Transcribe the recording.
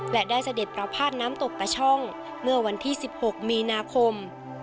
และได้เสด็จประพาทน้ำตกตะช่องเมื่อวันที่๑๖มีนาคม